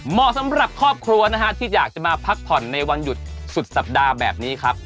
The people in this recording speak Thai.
เหมาะสำหรับครอบครัวนะฮะที่อยากจะมาพักผ่อนในวันหยุดสุดสัปดาห์แบบนี้ครับ